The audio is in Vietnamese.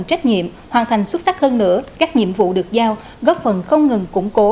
trách nhiệm hoàn thành xuất sắc hơn nữa các nhiệm vụ được giao góp phần không ngừng củng cố